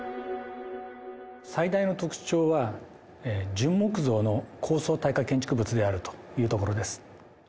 最大の特徴は、純木造の高層耐火建築物であるというところです。